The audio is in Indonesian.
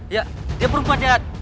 ya dia perempuan jahat